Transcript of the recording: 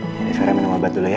oke ini saya minum obat dulu ya